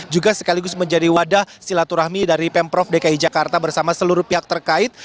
juga sekaligus menjadi wadah silaturahmi dari pemprov dki jakarta bersama seluruh pihak terkait